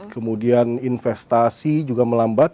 kemudian investasi juga melambat